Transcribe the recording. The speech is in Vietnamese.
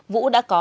vũ đã có hai tiền